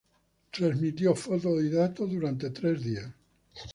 Trasmitió fotos y datos durante tres días.